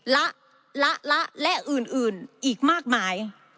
ละละและอื่นอีกมากมาย